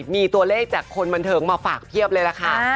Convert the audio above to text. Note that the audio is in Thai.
มีตัวเลขจากคนบันเทิงมาฝากเพียบเลยล่ะค่ะ